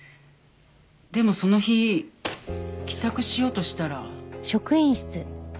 でもその日帰宅しようとしたら。